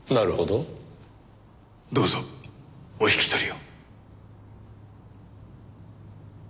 どうぞお引き取りを。